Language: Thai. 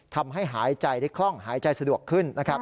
ทำให้หายใจได้คล่องหายใจสะดวกขึ้นนะครับ